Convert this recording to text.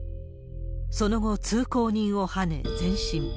その後、通行人をはね前進。